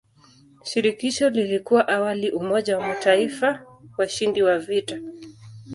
Shirikisho lilikuwa awali umoja wa mataifa washindi wa vita.